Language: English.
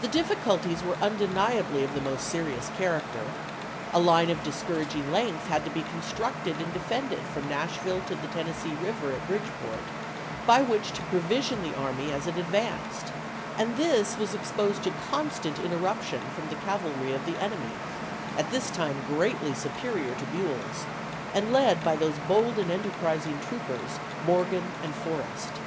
The difficulties were undeniably of the most serious character; a line of discouraging length had to be constructed and defended from Nashville to the Tennessee River at Bridgeport, by which to provision the army as it advanced, and this was exposed to constant interruption from the cavalry of the enemy, at this time greatly superior to Buell's and led by those bold and enterprising troopers, Morgan and Forrest.